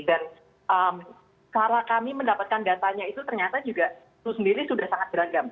dan cara kami mendapatkan datanya itu ternyata juga sendiri sudah sangat beragam